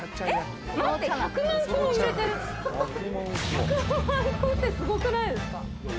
１００万個ってすごくないですか？